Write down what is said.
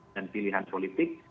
dan pilihan politik